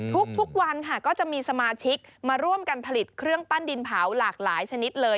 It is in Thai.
ทุกวันค่ะก็จะมีสมาชิกมาร่วมกันผลิตเครื่องปั้นดินเผาหลากหลายชนิดเลย